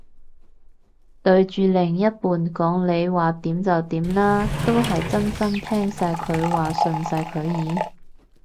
對住另一半講你話點就點啦，都係真心聽晒佢話順晒佢意？